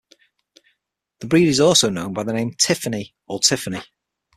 The breed is also known by the name Tiffanie or Tiffany.